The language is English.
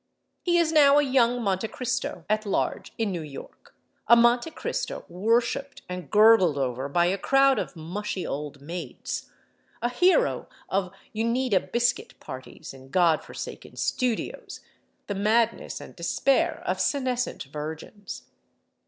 He is now a young Monte Cristo at large in New York, a Monte Cristo worshiped and gurgled over by a crowd of mushy old maids, a hero of Uneeda biscuit parties in God forsaken studios, the madness and despair of senescent virgins.